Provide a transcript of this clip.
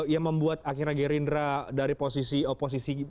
yang membuat akhirnya gerindra dari posisi oposisi